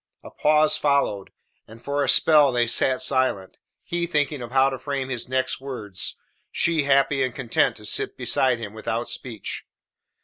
A pause followed, and for a spell they sat silent, he thinking of how to frame his next words; she happy and content to sit beside him without speech.